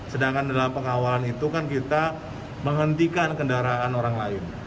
sedangkan dalam pengawalan itu kan kita menghentikan kendaraan orang lain